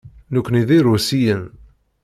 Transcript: Nekkni d Irusiyen.